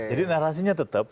jadi narasinya tetap